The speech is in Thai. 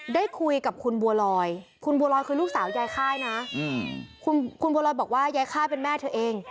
ได้คุยกับคุณบัวลอยคุณบัวลอยคือลูกสาวยายค่ายนะคุณบัวลอยบอกว่ายายค่ายเป็นแม่เธอเอง